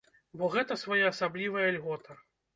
Бо гэта своеасаблівая льгота.